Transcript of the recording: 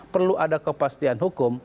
perlu ada kepastian hukum